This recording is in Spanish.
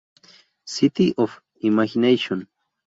City of Imagination.